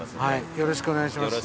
よろしくお願いします。